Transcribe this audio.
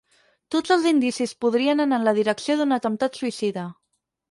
Tots els indicis podrien anar en la direcció d'un atemptat suïcida.